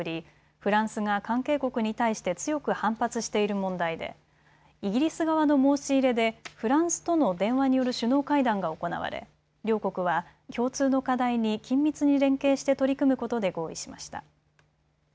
フランスが関係国に対して強く反発している問題でイギリス側の申し入れでフランスとの電話による首脳会談が行われ両国は共通の課題に緊密に連携して取り組むことで合意しました。